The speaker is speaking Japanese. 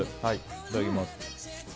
いただきます。